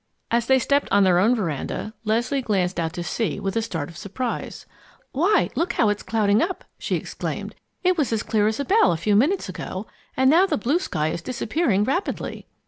As they stepped on their own veranda, Leslie glanced out to sea with a start of surprise. "Why, look how it's clouding up!" she exclaimed. "It was as clear as a bell a few minutes ago, and now the blue sky is disappearing rapidly."